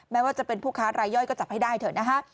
แม้ว่าจะเป็นผู้ค้ารายย่อยก็จับให้ได้เถอะนะคะ